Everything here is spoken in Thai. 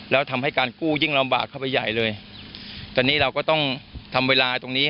แล้วทำให้การกู้ยิ่งลำบากเข้าไปใหญ่เลยตอนนี้เราก็ต้องทำเวลาตรงนี้